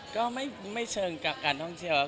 ก็ไม่เชิงการท่องเที่ยวนะครับ